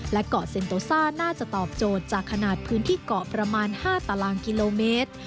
และเกาะเซ็นโตซ่าน่าจะตอบโจทย์จากขนาดพื้นที่เกาะประมาณ๕ตารางกิโลเมตร